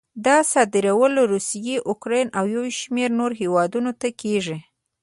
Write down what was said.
دا صادرول روسیې، اوکراین او یو شمېر نورو هېوادونو ته کېږي.